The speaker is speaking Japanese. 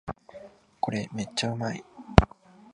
これめっちゃうまい